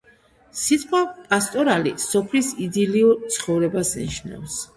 სიტყვა პასტორალი სოფლის იდილიურ ცხოვრებას ნიშნავს.